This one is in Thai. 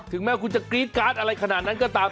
ถึงแม้คุณจะกรี๊ดการ์ดอะไรขนาดนั้นก็ตาม